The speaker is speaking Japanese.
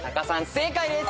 正解です。